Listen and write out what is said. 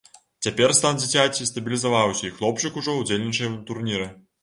Цяпер стан дзіцяці стабілізаваўся, і хлопчык ужо ўдзельнічае ў турніры.